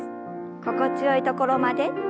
心地よいところまで。